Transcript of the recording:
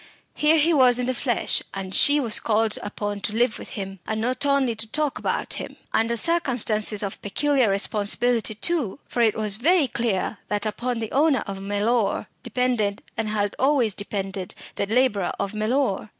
Here he was in the flesh; and she was called upon to live with him, and not only to talk about him. Under circumstances of peculiar responsibility too. For it was very clear that upon the owner of Mellor depended, and had always depended, the labourer of Mellor.